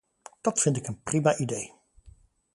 Dat vind ik een prima idee.